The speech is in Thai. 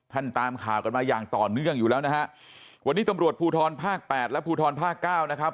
ตามข่าวกันมาอย่างต่อเนื่องอยู่แล้วนะฮะวันนี้ตำรวจภูทรภาคแปดและภูทรภาคเก้านะครับ